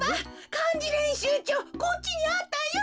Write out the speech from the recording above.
かんじれんしゅうちょうこっちにあったよ！